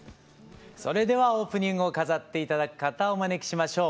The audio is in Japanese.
それではオープニングを飾って頂く方をお招きしましょう。